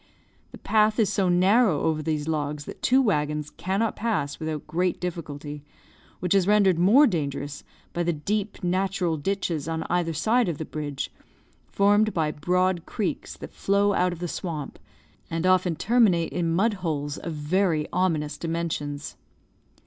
The path is so narrow over these logs that two waggons cannot pass without great difficulty, which is rendered more dangerous by the deep natural ditches on either side of the bridge, formed by broad creeks that flow out of the swamp, and often terminate in mud holes of very ominous dimensions.